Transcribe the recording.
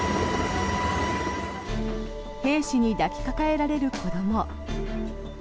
兵士に抱きかかえられる子ども。